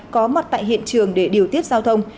có mặt tại hiện trường để điều tiết giao thông